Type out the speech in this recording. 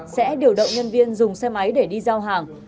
sẽ điều động nhân viên dùng xe máy để đi giao hàng